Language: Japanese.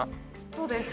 そうです。